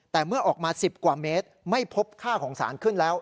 แต่เมื่อออกมา๑๐กว่าเมตรไม่พบค่าของสารขึ้นแล้ว